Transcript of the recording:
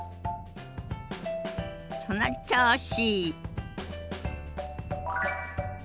その調子！